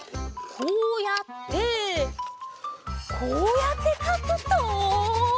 こうやってこうやってかくと。